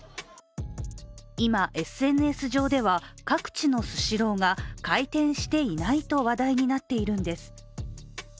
今、ＳＮＳ上では、各地のスシローが回転していないと話題になっているんです。